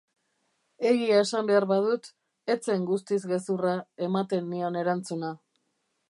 Egia esan behar badut, ez zen guztiz gezurra ematen nion erantzuna.